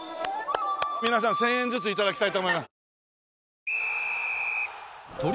皆さん１０００円ずつ頂きたいと思います。